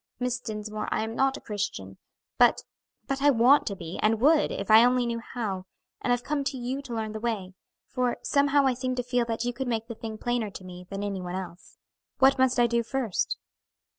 Miss Dinsmore, I am not a Christian, but but I want to be, and would, if I only knew how; and I've come to you to learn the way; for somehow I seem to feel that you could make the thing plainer to me than any one else. What must I do first?"